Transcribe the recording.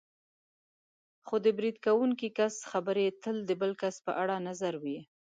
خو د برید کوونکي کس خبرې تل د بل کس په اړه نظر وي.